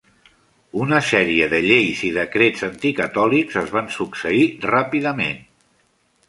Una sèrie de lleis i decrets anticatòlics es van succeir ràpidament.